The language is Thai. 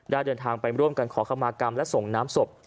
เดินทางไปร่วมกันขอคำมากรรมและส่งน้ำศพ